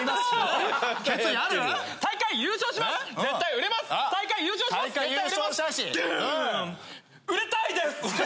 売れたいです。